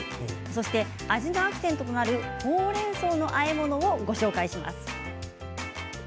そして味のアクセントとなるほうれんそうのあえ物をご紹介します。